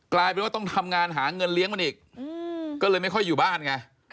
กลายเป็นว่าต้องทำงานหาเงินเลี้ยงมันอีกก็เลยไม่ค่อยอยู่บ้านไง